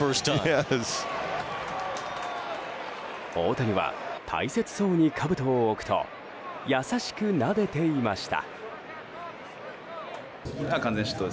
大谷は大切そうにかぶとを置くと優しくなでていました。